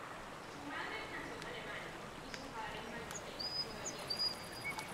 Su madre nació en Alemania y su padre en Bayonne, Nueva Jersey.